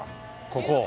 ここ。